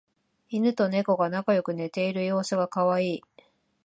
イヌとネコが仲良く寝ている様子がカワイイ